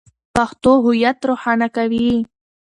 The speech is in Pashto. پښتو هویت روښانه کوي.